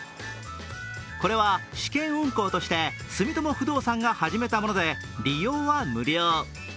これは試験運行として住友不動産が始めたもので利用は無料。